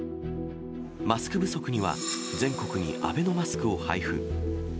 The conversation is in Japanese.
マスク不足には、全国にアベノマスクを配布。